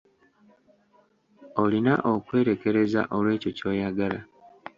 Olina okwerekereza olw'ekyo ky'oyagala.